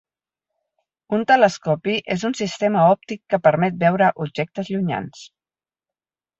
Un telescopi és un sistema òptic que permet veure objectes llunyans.